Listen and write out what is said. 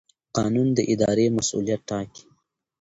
قانون د ادارې مسوولیت ټاکي.